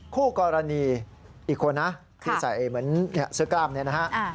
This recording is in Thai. คู่กรณีอีกคนนะที่ใส่เหมือนเสื้อกล้ามเนี่ยนะฮะ